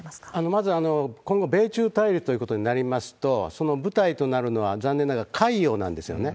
まず、今後米中対立ということになりますと、その舞台となるのは、残念ながら海洋なんですよね。